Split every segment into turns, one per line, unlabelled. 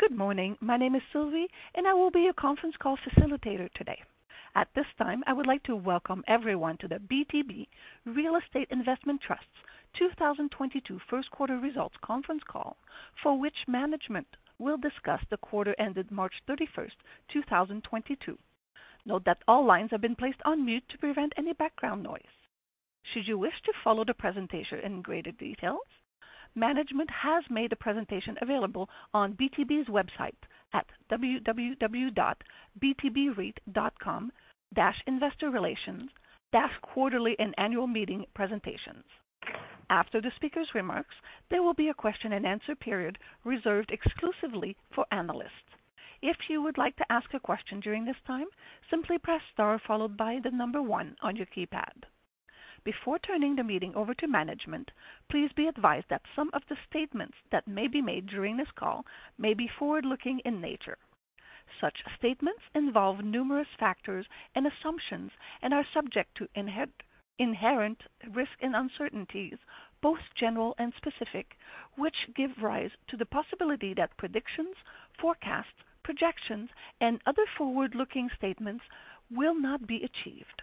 Good morning. My name is Sylvie, and I will be your conference call facilitator today. At this time, I would like to welcome everyone to the BTB Real Estate Investment Trust's 2022 first quarter results conference call, for which management will discuss the quarter ended March 31st, 2022. Note that all lines have been placed on mute to prevent any background noise. Should you wish to follow the presentation in greater details, management has made the presentation available on BTB's website at www.btbreit.com-investorrelations-quarterlyandannualmeetingpresentations. After the speaker's remarks, there will be a question-and-answer period reserved exclusively for analysts. If you would like to ask a question during this time, simply press star followed by the number one on your keypad. Before turning the meeting over to management, please be advised that some of the statements that may be made during this call may be forward-looking in nature. Such statements involve numerous factors and assumptions and are subject to inherent risk and uncertainties, both general and specific, which give rise to the possibility that predictions, forecasts, projections, and other forward-looking statements will not be achieved.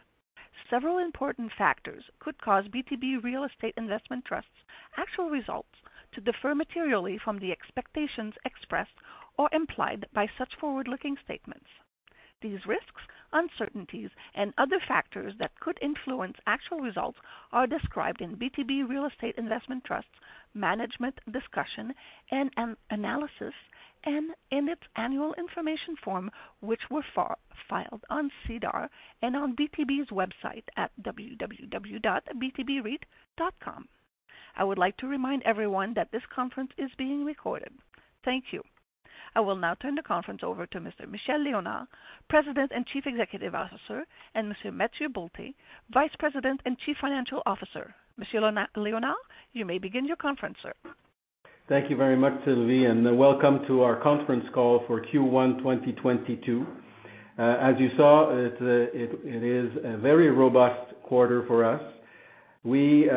Several important factors could cause BTB Real Estate Investment Trust's actual results to differ materially from the expectations expressed or implied by such forward-looking statements. These risks, uncertainties, and other factors that could influence actual results are described in BTB Real Estate Investment Trust's management discussion and analysis and in its annual information form, which were filed on SEDAR and on BTB's website at www.btbreit.com. I would like to remind everyone that this conference is being recorded. Thank you. I will now turn the conference over to Mr. Michel Léonard, President and Chief Executive Officer, and Mr. Mathieu Bolté, Vice President and Chief Financial Officer. Monsieur Léonard, you may begin your conference, sir.
Thank you very much, Sylvie, and welcome to our conference call for Q1 2022. As you saw, it is a very robust quarter for us. We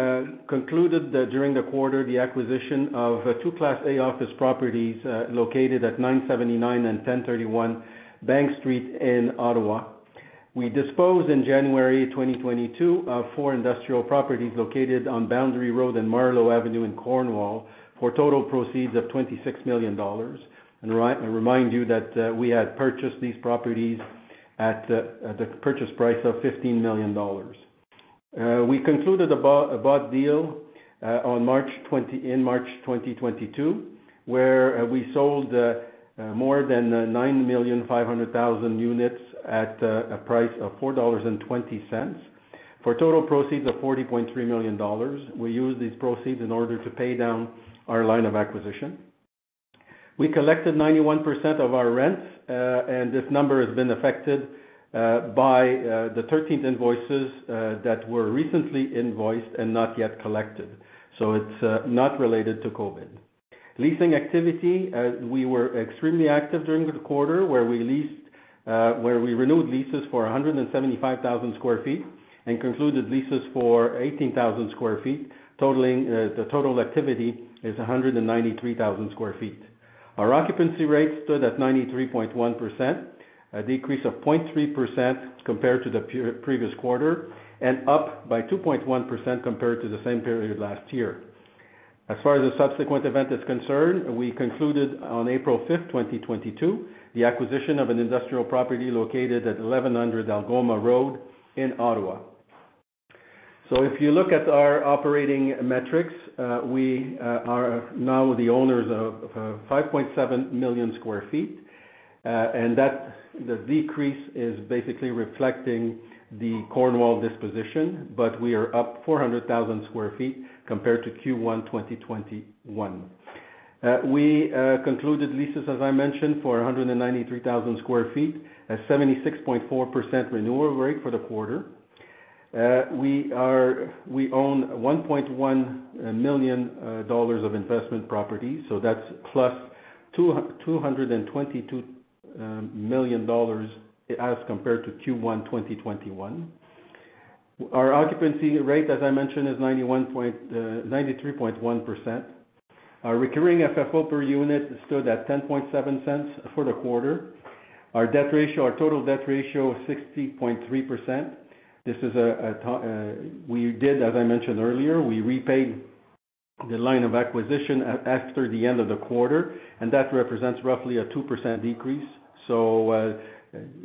concluded during the quarter the acquisition of two Class A office properties located at 979 and 1031 Bank Street in Ottawa. We disposed in January 2022 of four industrial properties located on Boundary Road and Marleau Avenue in Cornwall, for total proceeds of $26 million. Remind you that we had purchased these properties at the purchase price of $15 million. We concluded a bought deal in March 2022, where we sold more than 9,500,000 units at a price of $4.20 for total proceeds of $40.3 million. We use these proceeds in order to pay down our line of acquisition. We collected 91% of our rents, and this number has been affected by the thirteenth invoices that were recently invoiced and not yet collected, so it's not related to COVID. Leasing activity, we were extremely active during the quarter where we renewed leases for 175,000 sq ft and concluded leases for 18,000 sq ft, totaling the total activity is 193,000 sq ft. Our occupancy rate stood at 93.1%, a decrease of 0.3% compared to the pre-previous quarter, and up by 2.1% compared to the same period last year. As far as the subsequent event is concerned, we concluded on April 5th, 2022, the acquisition of an industrial property located at 1,100 Algoma Road in Ottawa. If you look at our operating metrics, we are now the owners of 5.7 million sq ft, and that the decrease is basically reflecting the Cornwall disposition, but we are up 400,000 sq ft compared to Q1 2021. We concluded leases, as I mentioned, for 193,000 sq ft at 76.4% renewal rate for the quarter. We own $1.1 million of investment property, so that's plus $222 million as compared to Q1 2021. Our occupancy rate, as I mentioned, is 93.1%. Our recurring FFO per unit stood at 0.107 for the quarter. Our debt ratio, our total debt ratio, 60.3%. We did, as I mentioned earlier, we repaid the line of acquisition after the end of the quarter, and that represents roughly a 2% decrease.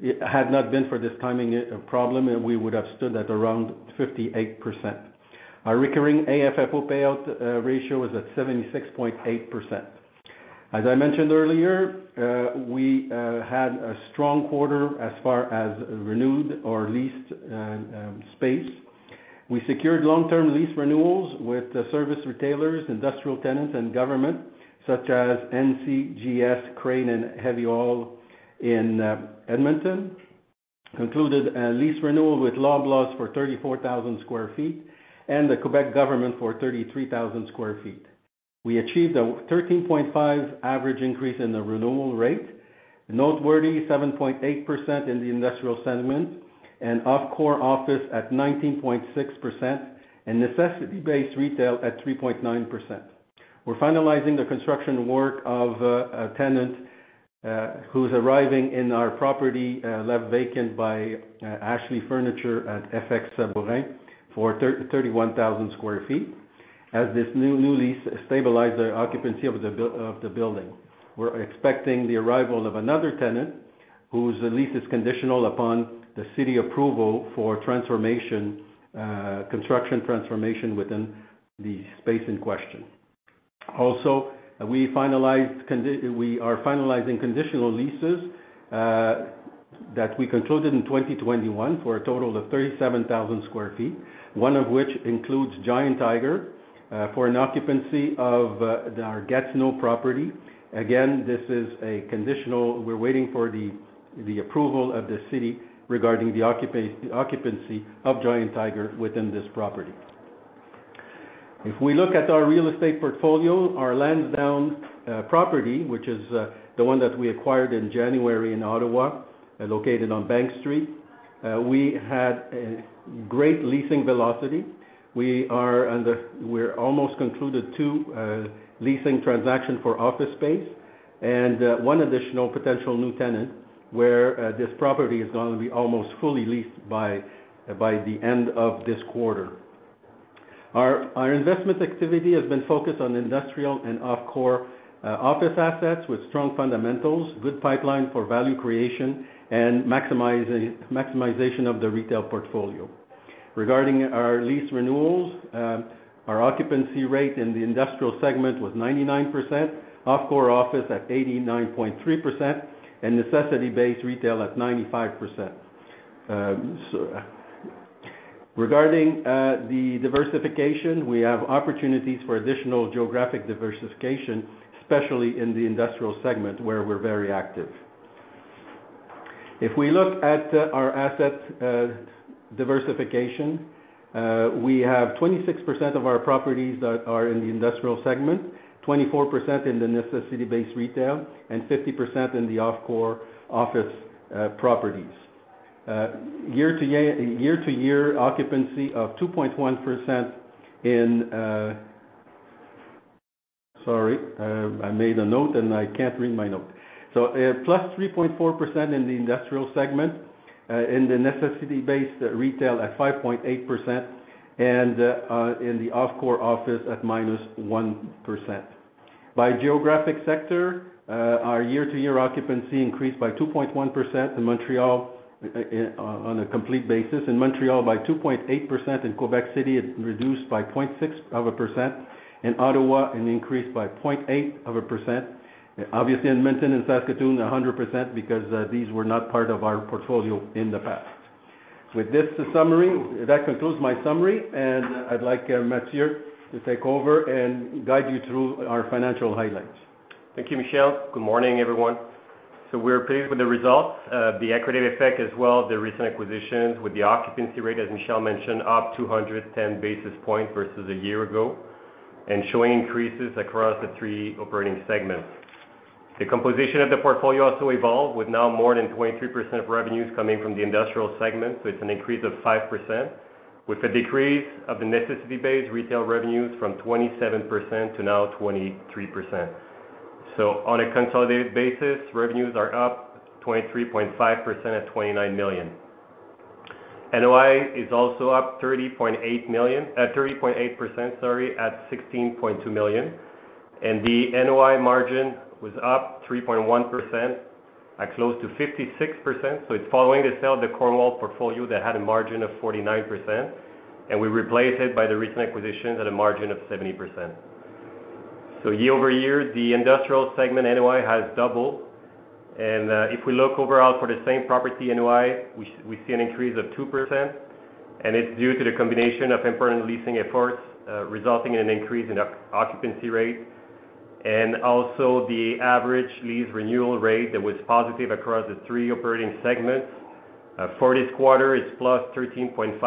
It had not been for this timing problem, we would have stood at around 58%. Our recurring AFFO payout ratio is at 76.8%. As I mentioned earlier, we had a strong quarter as far as renewed or leased space. We secured long-term lease renewals with the service retailers, industrial tenants and government such as NCSG Crane & Heavy Haul in Edmonton. Concluded a lease renewal with Loblaws for 34,000 sq ft and the Quebec government for 33,000 sq ft. We achieved a 13.5 average increase in the renewal rate. Noteworthy 7.8% in the industrial segment, and off-core office at 19.6%, and necessity-based retail at 3.9%. We're finalizing the construction work of a tenant who's arriving in our property left vacant by Ashley Furniture at F.X. Sabourin for 31,000 sq ft. As this new lease stabilized the occupancy of the building. We're expecting the arrival of another tenant, whose lease is conditional upon the city approval for transformation, construction transformation within the space in question. Also, we are finalizing conditional leases that we concluded in 2021 for a total of 37,000 sq ft, one of which includes Giant Tiger for an occupancy of our Gatineau property. Again, this is a conditional. We're waiting for the approval of the city regarding the occupancy of Giant Tiger within this property. If we look at our real estate portfolio, our Lansdowne property, which is the one that we acquired in January in Ottawa, located on Bank Street, we had a great leasing velocity. We're almost concluded two leasing transactions for office space and one additional potential new tenant where this property is gonna be almost fully leased by the end of this quarter. Our investment activity has been focused on industrial and off-core office assets with strong fundamentals, good pipeline for value creation, and maximization of the retail portfolio. Regarding our lease renewals, our occupancy rate in the industrial segment was 99%, off-core office at 89.3%, and necessity-based retail at 95%. Regarding the diversification, we have opportunities for additional geographic diversification, especially in the industrial segment where we're very active. If we look at our asset diversification, we have 26% of our properties that are in the industrial segment, 24% in the necessity-based retail, and 50% in the off-core office properties. Year to year occupancy of 2.1%. Sorry, I made a note, and I can't read my note. So, plus 3.4% in the industrial segment, in the necessity-based retail at 5.8%, and in the off-core office at -1%. By geographic sector, our year to year occupancy increased by 2.1% in Montreal, on a complete basis. In Montreal by 2.8%, in Quebec City it's reduced by 0.6%, in Ottawa an increase by 0.8%. Obviously in Edmonton and Saskatoon, 100% because these were not part of our portfolio in the past. With this summary, that concludes my summary, and I'd like Mathieu to take over and guide you through our financial highlights.
Thank you, Michel. Good morning, everyone. We're pleased with the results. The accretive effect as well, the recent acquisitions with the occupancy rate, as Michel mentioned, up 210 basis points versus a year ago, and showing increases across the three operating segments. The composition of the portfolio also evolved with now more than 23% of revenues coming from the industrial segment, so it's an increase of 5%, with a decrease of the necessity-based retail revenues from 27% to now 23%. On a consolidated basis, revenues are up 23.5% at $29 million. NOI is also up, at 30.8%, sorry, at $16.2 million, and the NOI margin was up 3.1% at close to 56%. It's following the sale of the Cornwall portfolio that had a margin of 49%, and we replaced it by the recent acquisitions at a margin of 70%. Year-over-year, the industrial segment NOI has doubled. If we look overall for the same property NOI, we see an increase of 2%, and it's due to the combination of important leasing efforts resulting in an increase in occupancy rate, and also the average lease renewal rate that was positive across the three operating segments. For this quarter, it's plus 13.5%.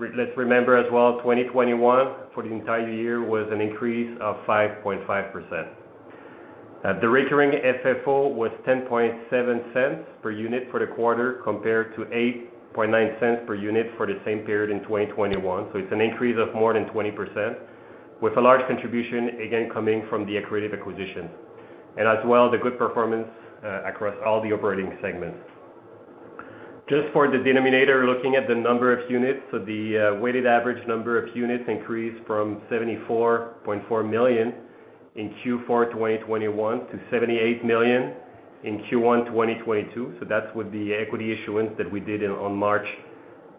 Let's remember as well, 2021 for the entire year was an increase of 5.5%. The recurring FFO was $0.107 per unit for the quarter, compared to $0.089 per unit for the same period in 2021. It's an increase of more than 20%, with a large contribution again coming from the accretive acquisitions and as well the good performance across all the operating segments. Just for the denominator, looking at the number of units, the weighted average number of units increased from $74.4 million in Q4 2021 to $78 million in Q1 2022. That's with the equity issuance that we did on March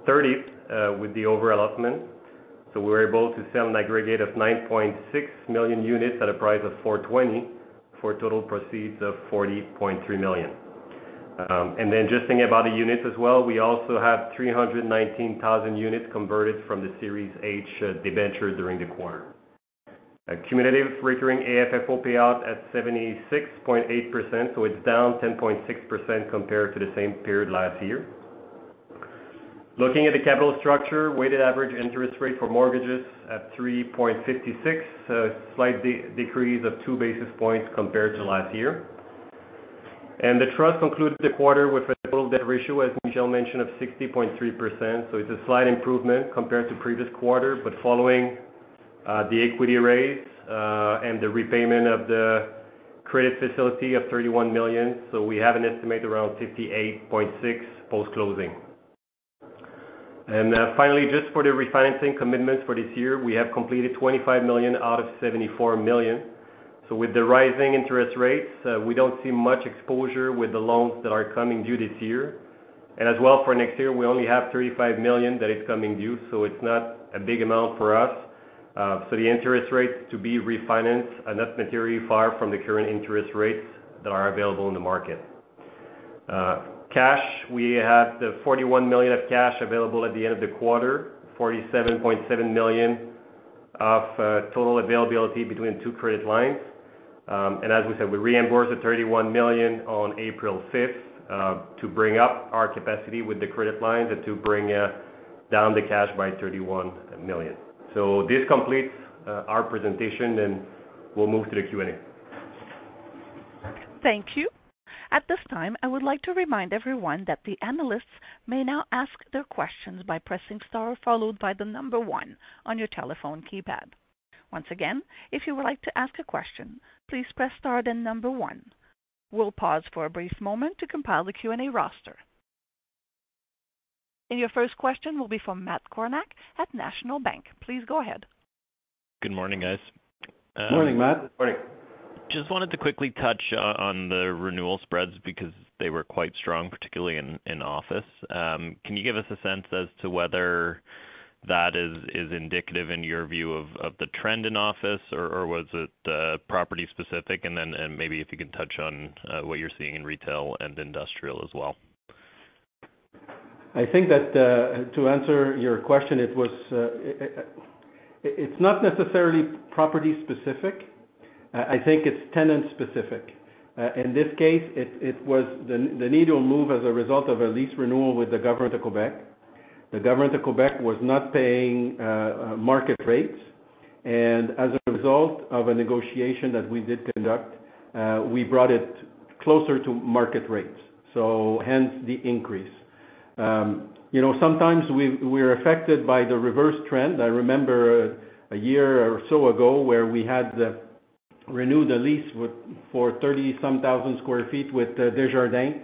30th with the overallotment. We were able to sell an aggregate of 9.6 million units at a price of $4.20 for total proceeds of $40.3 million. Just thinking about the units as well, we also have 319,000 units converted from the Series H debenture during the quarter. Cumulative recurring AFFO payout at 76.8%, so it's down 10.6% compared to the same period last year. Looking at the capital structure, weighted average interest rate for mortgages at 3.56, slight decrease of 2 basis points compared to last year. The trust concluded the quarter with a total debt ratio, as Michel mentioned, of 60.3%. It's a slight improvement compared to previous quarter, but following the equity raise and the repayment of the credit facility of $31 million. We have an estimate around 58.6 post-closing. Finally, just for the refinancing commitments for this year, we have completed $25 million out of $74 million. With the rising interest rates, we don't see much exposure with the loans that are coming due this year. As well, for next year, we only have $35 million that is coming due, so it's not a big amount for us. The interest rates to be refinanced are not materially far from the current interest rates that are available in the market. Cash, we had $41 million of cash available at the end of the quarter, $47.7 million of total availability between two credit lines. As we said, we reimbursed the $31 million on April 5th to bring up our capacity with the credit lines and to bring down the cash by $31 million. This completes our presentation, and we'll move to the Q&A.
Thank you. At this time, I would like to remind everyone that the analysts may now ask their questions by pressing star followed by the number one on your telephone keypad. Once again, if you would like to ask a question, please press star then number one. We'll pause for a brief moment to compile the Q&A roster. Your first question will be from Matt Kornack at National Bank. Please go ahead.
Good morning, guys.
Morning, Matt. Morning.
Just wanted to quickly touch on the renewal spreads because they were quite strong, particularly in office. Can you give us a sense as to whether that is indicative in your view of the trend in office, or was it property-specific? Maybe if you can touch on what you're seeing in retail and industrial as well.
I think that to answer your question, it's not necessarily property-specific. I think it's tenant-specific. In this case, it was the need to move as a result of a lease renewal with the government of Quebec. The government of Quebec was not paying market rates. As a result of a negotiation that we did conduct, we brought it closer to market rates, so hence the increase. You know, sometimes we're affected by the reverse trend. I remember a year or so ago where we had renewed a lease for 30,000 sq ft with Desjardins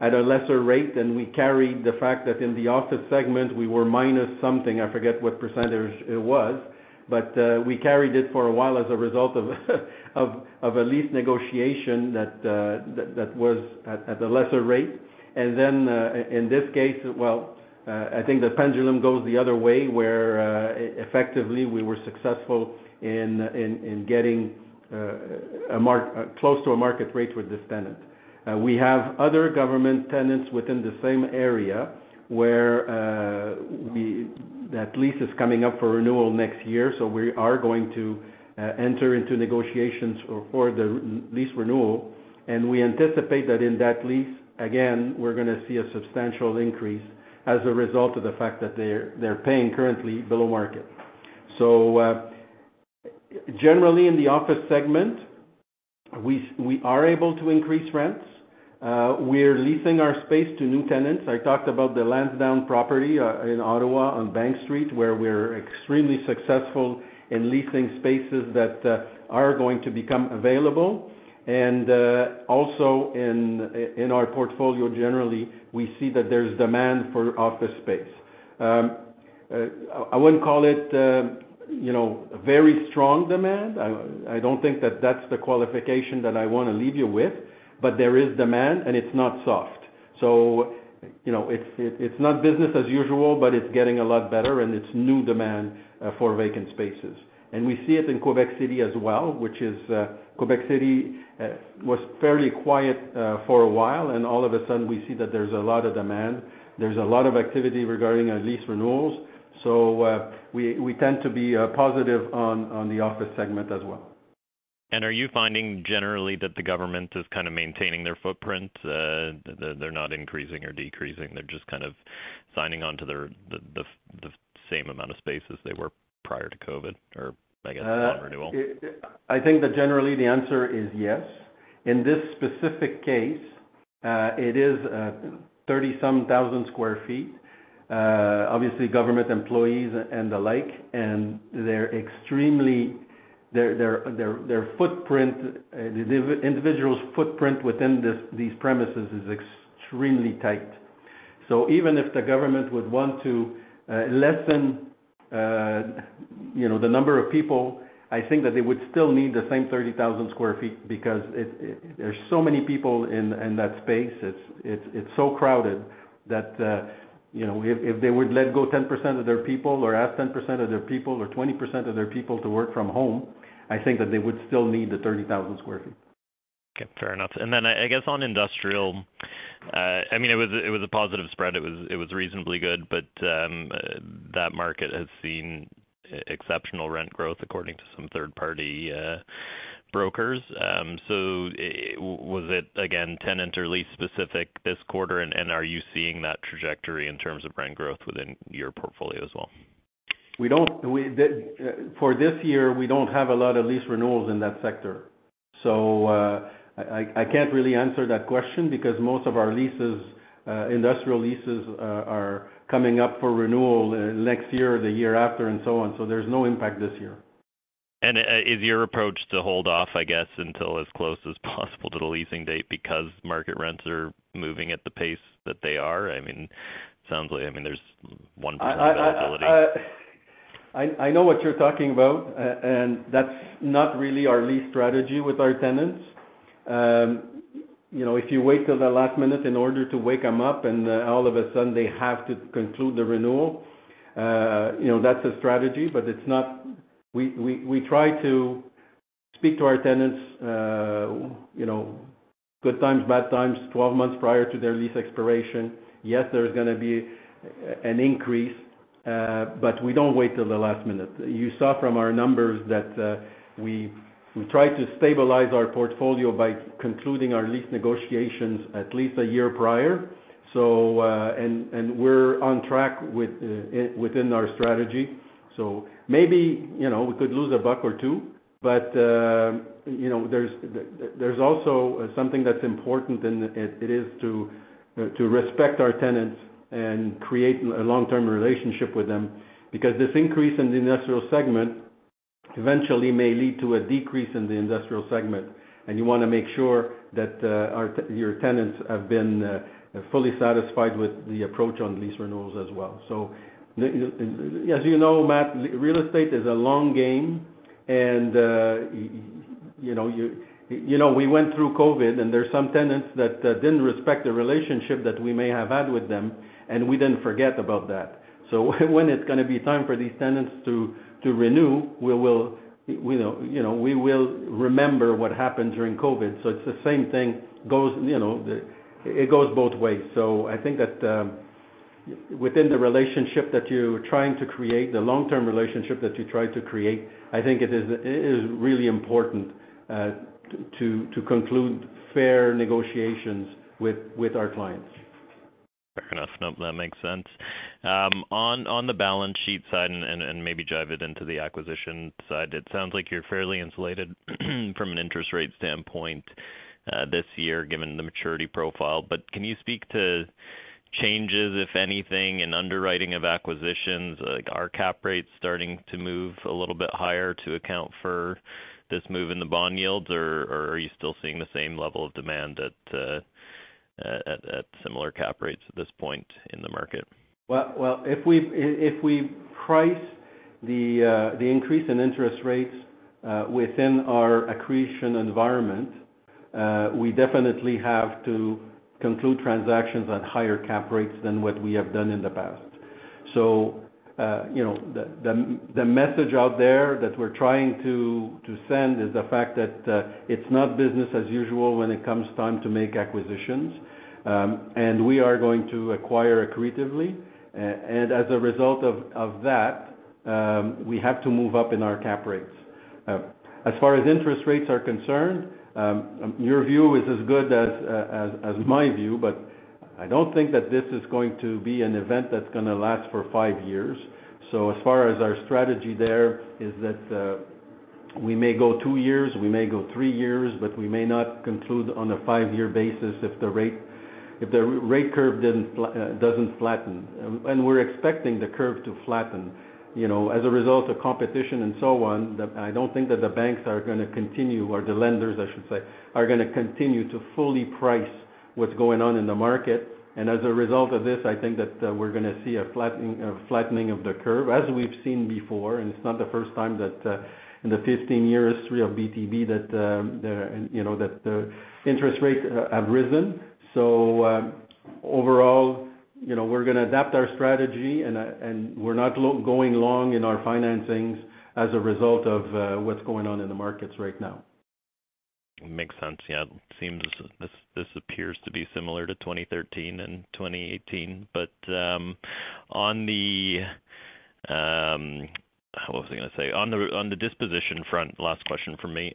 at a lesser rate, and we carried the fact that in the office segment we were minus something. I forget what percentage it was, but we carried it for a while as a result of a lease negotiation that was at a lesser rate. In this case, I think the pendulum goes the other way, where effectively, we were successful in getting close to a market rate with this tenant. We have other government tenants within the same area where that lease is coming up for renewal next year, so we are going to enter into negotiations for the lease renewal. We anticipate that in that lease, again, we're gonna see a substantial increase as a result of the fact that they're paying currently below market. Generally, in the office segment, we are able to increase rents. We're leasing our space to new tenants. I talked about the Lansdowne property in Ottawa on Bank Street, where we're extremely successful in leasing spaces that are going to become available. Also in our portfolio generally, we see that there's demand for office space. I wouldn't call it, you know, very strong demand. I don't think that that's the qualification that I wanna leave you with, but there is demand, and it's not soft. You know, it's not business as usual, but it's getting a lot better, and it's new demand for vacant spaces. We see it in Quebec City as well, which is Quebec City was fairly quiet for a while, and all of a sudden, we see that there's a lot of demand. There's a lot of activity regarding our lease renewals, so we tend to be positive on the office segment as well.
Are you finding generally that the government is kind of maintaining their footprint? That they're not increasing or decreasing, they're just kind of signing on to their, the same amount of space as they were prior to COVID, or I guess on renewal?
I think that generally the answer is yes. In this specific case, it is 30,000 sq ft, obviously government employees and the like. Their footprint, the individual's footprint within these premises, is extremely tight. Even if the government would want to lessen, you know, the number of people, I think that they would still need the same 30,000 sq ft because there's so many people in that space. It's so crowded that, you know, if they would let go 10% of their people or ask 10% of their people or 20% of their people to work from home, I think that they would still need the 30,000 sq ft.
Okay, fair enough. I guess on industrial, I mean, it was a positive spread. It was reasonably good, but that market has seen exceptional rent growth according to some third-party brokers. Was it again, tenant or lease specific this quarter? And are you seeing that trajectory in terms of rent growth within your portfolio as well?
For this year, we don't have a lot of lease renewals in that sector. I can't really answer that question because most of our leases, industrial leases, are coming up for renewal next year or the year after, and so on. There's no impact this year.
Is your approach to hold off, I guess, until as close as possible to the leasing date because market rents are moving at the pace that they are? I mean, sounds like, I mean, there's one possibility.
I know what you're talking about, and that's not really our lease strategy with our tenants. You know, if you wait till the last minute in order to wake them up and, all of a sudden they have to conclude the renewal, you know, that's a strategy, but it's not. We try to speak to our tenants, you know, good times, bad times, 12 months prior to their lease expiration. Yes, there's gonna be an increase, but we don't wait till the last minute. You saw from our numbers that we try to stabilize our portfolio by concluding our lease negotiations at least a year prior. We're on track within our strategy. Maybe, you know, we could lose a buck or two, but, you know, there's also something that's important, and it is to respect our tenants and create a long-term relationship with them, because this increase in the industrial segment eventually may lead to a decrease in the industrial segment, and you wanna make sure that your tenants have been fully satisfied with the approach on lease renewals as well. As you know, Matt, real estate is a long game, and, you know, we went through COVID, and there's some tenants that didn't respect the relationship that we may have had with them, and we didn't forget about that. When it's gonna be time for these tenants to renew, we will, you know, we will remember what happened during COVID. It's the same thing goes, you know, it goes both ways. I think that, within the relationship that you're trying to create, the long-term relationship that you try to create, I think it is really important to conclude fair negotiations with our clients.
Fair enough. No, that makes sense. On the balance sheet side, and maybe tie it into the acquisition side, it sounds like you're fairly insulated from an interest rate standpoint, this year, given the maturity profile. Can you speak to changes, if anything, in underwriting of acquisitions? Like, are cap rates starting to move a little bit higher to account for this move in the bond yields, or are you still seeing the same level of demand at similar cap rates at this point in the market?
Well, if we price the increase in interest rates within our accretion environment, we definitely have to conclude transactions at higher cap rates than what we have done in the past. You know, the message out there that we're trying to send is the fact that it's not business as usual when it comes time to make acquisitions. We are going to acquire accretively, and as a result of that, we have to move up in our cap rates. As far as interest rates are concerned, your view is as good as my view, but I don't think that this is going to be an event that's gonna last for five years. As far as our strategy there is that, we may go two years, we may go three years, but we may not conclude on a five-year basis if the rate curve doesn't flatten. We're expecting the curve to flatten, you know. As a result of competition and so on, I don't think that the banks are gonna continue, or the lenders, I should say, are gonna continue to fully price what's going on in the market. As a result of this, I think that, we're gonna see a flattening of the curve, as we've seen before. It's not the first time that, in the 15-year history of BTB that, you know, that the interest rates have risen. Overall, you know, we're gonna adapt our strategy and we're not going along in our financings as a result of what's going on in the markets right now.
Makes sense. Yeah. Seems this appears to be similar to 2013 and 2018. On the disposition front, last question from me.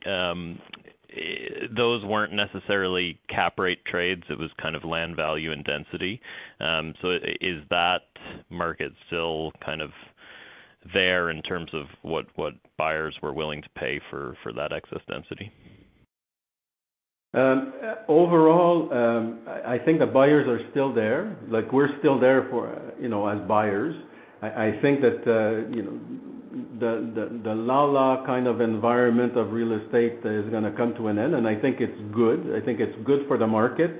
Those weren't necessarily cap rate trades. It was kind of land value and density. So is that market still kind of there in terms of what buyers were willing to pay for that excess density?
Overall, I think the buyers are still there, like we're still there for, you know, as buyers. I think that, you know, the kind of environment of real estate is gonna come to an end, and I think it's good. I think it's good for the market.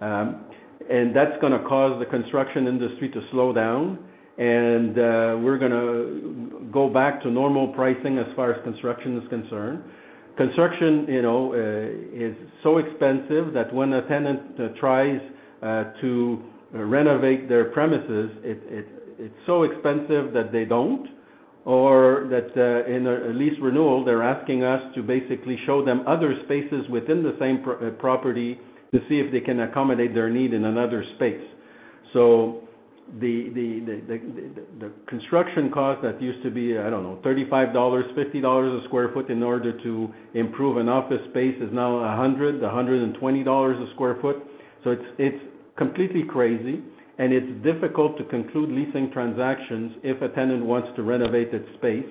That's gonna cause the construction industry to slow down and, we're gonna go back to normal pricing as far as construction is concerned. Construction, you know, is so expensive that when a tenant tries to renovate their premises, it's so expensive that in a lease renewal, they're asking us to basically show them other spaces within the same property to see if they can accommodate their need in another space. The construction cost that used to be, I don't know, $35-50/sq ft in order to improve an office space is now $100-120/sq ft. It's completely crazy, and it's difficult to conclude leasing transactions if a tenant wants to renovate its space,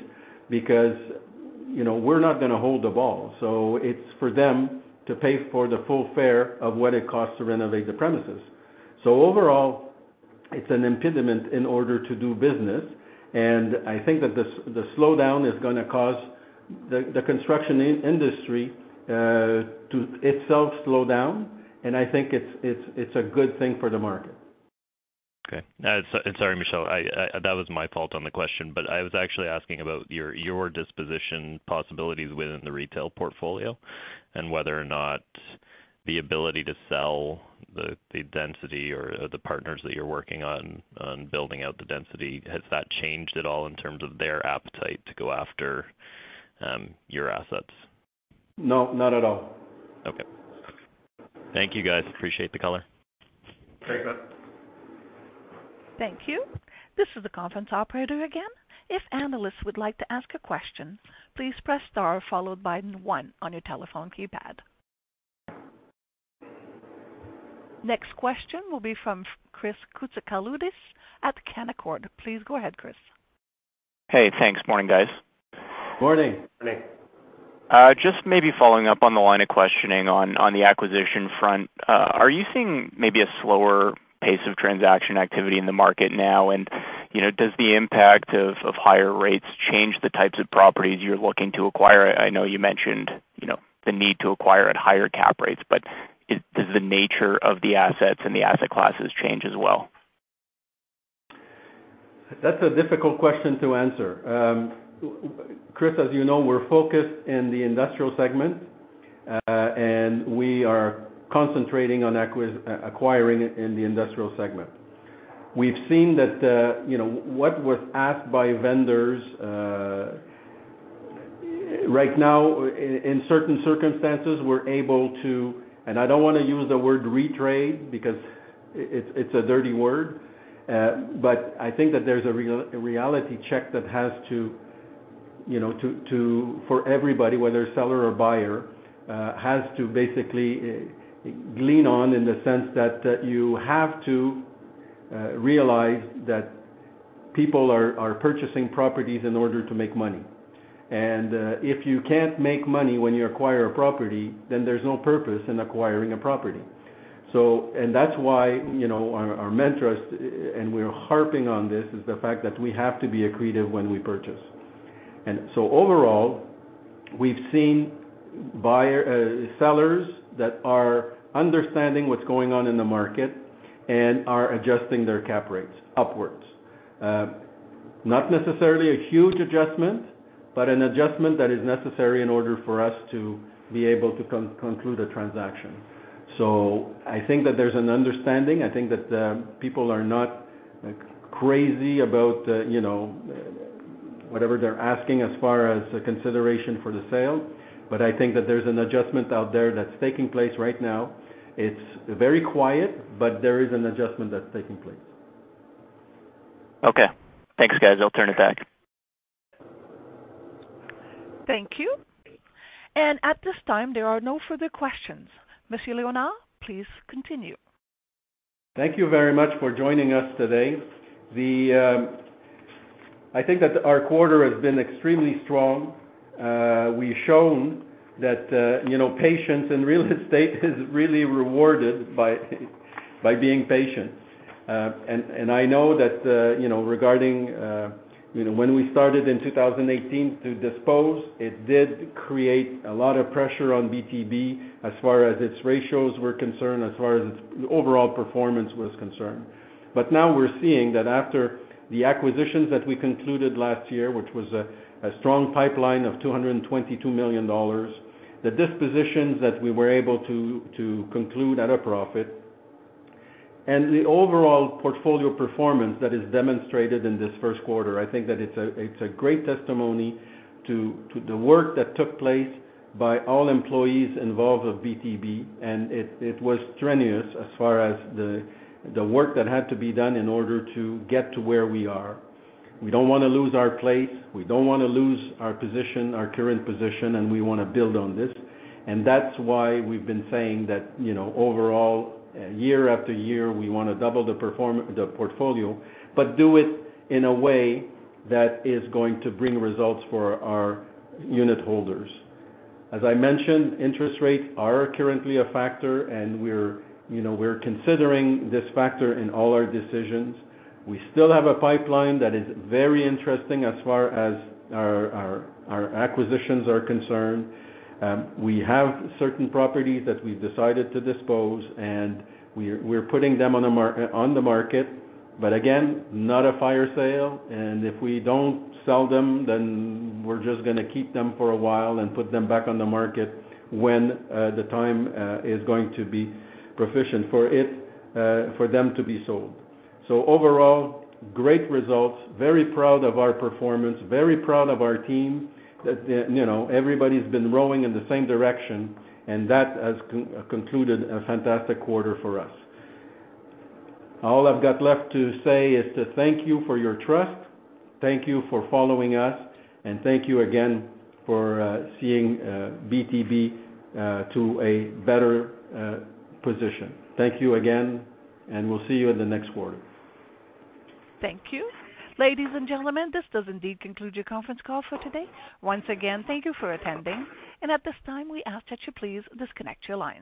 because, you know, we're not gonna hold the bag. It's for them to pay the full freight of what it costs to renovate the premises. Overall, it's an impediment in order to do business. I think that the slowdown is gonna cause the construction industry to itself slow down, and I think it's a good thing for the market.
Okay. Sorry, Michel, I. That was my fault on the question, but I was actually asking about your disposition possibilities within the retail portfolio and whether or not the ability to sell the density or the partners that you're working on building out the density, has that changed at all in terms of their appetite to go after your assets?
No, not at all.
Okay. Thank you, guys. Appreciate the color.
Very good.
Thank you. This is the conference operator again. If analysts would like to ask a question, please press star followed by the one on your telephone keypad. Next question will be from Chris Koutsokaloudis at Canaccord. Please go ahead, Chris.
Hey, thanks. Morning, guys.
Morning.
Morning.
Just maybe following up on the line of questioning on the acquisition front. Are you seeing maybe a slower pace of transaction activity in the market now? You know, does the impact of higher rates change the types of properties you're looking to acquire? I know you mentioned, you know, the need to acquire at higher cap rates, but does the nature of the assets and the asset classes change as well?
That's a difficult question to answer. Chris, as you know, we're focused in the industrial segment, and we are concentrating on acquiring in the industrial segment. We've seen that, you know, what was asked by vendors, right now in certain circumstances, we're able to, and I don't wanna use the word retrade because it's a dirty word, but I think that there's a reality check that has to, you know, for everybody, whether seller or buyer, has to basically glean on in the sense that you have to realize that people are purchasing properties in order to make money. If you can't make money when you acquire a property, then there's no purpose in acquiring a property. That's why, you know, our mentors, and we're harping on this, is the fact that we have to be accretive when we purchase. Overall, we've seen buyers and sellers that are understanding what's going on in the market and are adjusting their cap rates upwards. Not necessarily a huge adjustment, but an adjustment that is necessary in order for us to be able to conclude a transaction. I think that there's an understanding. I think that people are not crazy about, you know, whatever they're asking as far as consideration for the sale, but I think that there's an adjustment out there that's taking place right now. It's very quiet, but there is an adjustment that's taking place.
Okay. Thanks, guys. I'll turn it back.
Thank you. At this time, there are no further questions. Michel Léonard, please continue.
Thank you very much for joining us today. I think that our quarter has been extremely strong. We've shown that, you know, patience in real estate is really rewarded by being patient. I know that, you know, regarding, you know, when we started in 2018 to dispose, it did create a lot of pressure on BTB as far as its ratios were concerned, as far as its overall performance was concerned. Now we're seeing that after the acquisitions that we concluded last year, which was a strong pipeline of $222 million, the dispositions that we were able to conclude at a profit, and the overall portfolio performance that is demonstrated in this first quarter, I think that it's a great testimony to the work that took place by all employees involved with BTB. It was strenuous as far as the work that had to be done in order to get to where we are. We don't wanna lose our place, we don't wanna lose our position, our current position, and we wanna build on this. That's why we've been saying that, you know, overall, year after year, we wanna double the portfolio, but do it in a way that is going to bring results for our unitholders. As I mentioned, interest rates are currently a factor, and we're, you know, we're considering this factor in all our decisions. We still have a pipeline that is very interesting as far as our acquisitions are concerned. We have certain properties that we've decided to dispose, and we're putting them on the market, but again, not a fire sale. If we don't sell them, then we're just gonna keep them for a while and put them back on the market when the time is going to be propitious for them to be sold. Overall, great results, very proud of our performance, very proud of our team that, you know, everybody's been rowing in the same direction, and that has concluded a fantastic quarter for us. All I've got left to say is to thank you for your trust, thank you for following us, and thank you again for seeing BTB to a better position. Thank you again, and we'll see you in the next quarter.
Thank you. Ladies and gentlemen, this does indeed conclude your conference call for today. Once again, thank you for attending. At this time, we ask that you please disconnect your lines.